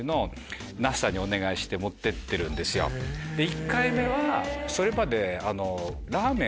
・１回目はそれまで。